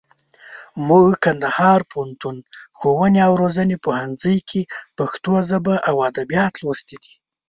موږ کندهار پوهنتون، ښووني او روزني پوهنځي کښي پښتو ژبه او اودبيات لوستي دي.